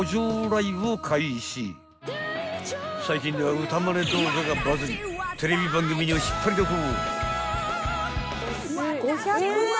［最近では歌まね動画がバズりテレビ番組にも引っ張りだこ］